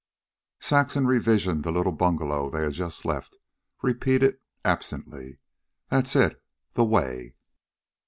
Saxon, revisioning the little bungalow they had just left, repeated absently: "That's it the way."